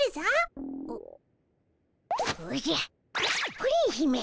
プリン姫！